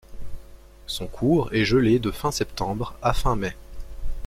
Son cours est gelé de fin septembre à fin mai.